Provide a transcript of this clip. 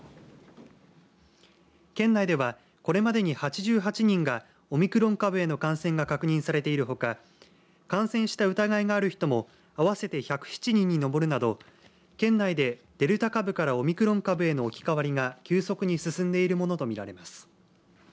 県内では、これまでに８８人がオミクロン株への感染が確認されているほか感染した疑いがある人も合わせて１０７人に上るなど県内でデルタ株からオミクロン株への置きかわりが急速に進んでいるものとみられます。